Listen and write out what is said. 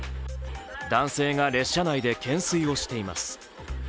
男性が列車内で懸垂をしています。